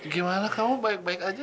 gimana kamu baik baik aja